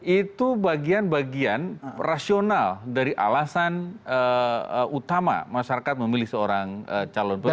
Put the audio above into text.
itu bagian bagian rasional dari alasan utama masyarakat memilih seorang calon presiden